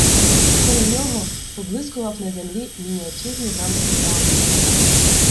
Коло нього поблискував на землі мініатюрний "дамський" "Браунінг".